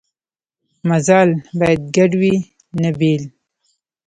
مزال باید ګډ وي نه بېل.